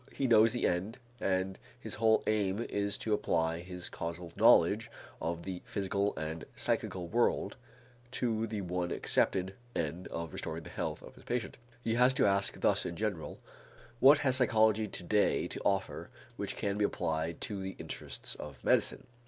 He knows the end, and his whole aim is to apply his causal knowledge of the physical and psychical world to the one accepted end of restoring the health of the patient. He has to ask thus in general: what has psychology to day to offer which can be applied in the interests of medicine?